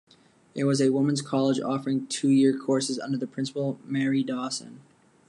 It was a women's college offering two year courses, under the Principal Mary Dawson.